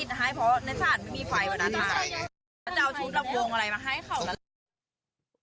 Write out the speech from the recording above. เพราะในศาลไม่มีไฟมาได้เราจะเอาชุดลำวงอะไรมาให้เขา